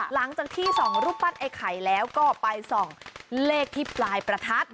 หลังจากที่ส่องรูปปั้นไอ้ไข่แล้วก็ไปส่องเลขที่ปลายประทัด